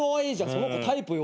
その子タイプよ